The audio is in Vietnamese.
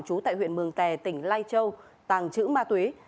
trú tại huyện mường tè tỉnh lai châu tàng trữ ma túy